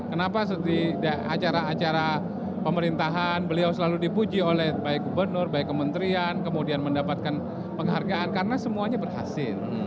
kenapa di acara acara pemerintahan beliau selalu dipuji oleh baik gubernur baik kementerian kemudian mendapatkan penghargaan karena semuanya berhasil